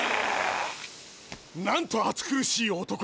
なんと暑苦しい男！